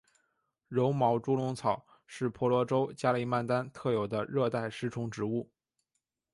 柔毛猪笼草是婆罗洲加里曼丹特有的热带食虫植物。